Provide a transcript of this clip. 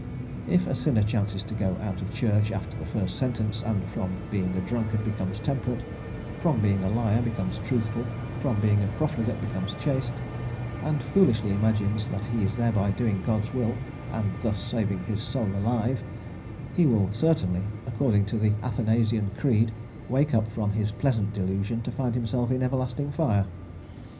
If a sinner chances to go out of church after the first sentence, and from being a drunkard becomes temperate, from being a liar becomes truthful, from being a profligate becomes chaste, and foolishly imagines that he is thereby doing God's will, and thus saving his soul alive, he will certainly, according to the Athanasian Creed, wake up from his pleasant delusion to find himself in everlasting fire.